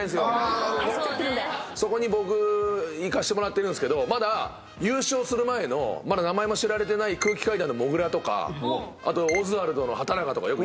そこに僕行かしてもらってるんすけどまだ優勝する前のまだ名前も知られてない空気階段のもぐらとかあとオズワルドの畠中とかよく行ってたんですよ。